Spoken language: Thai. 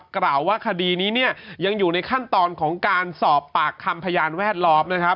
กล่าวว่าคดีนี้ยังอยู่ในขั้นตอนของการสอบปากคำพยานแวดลอบ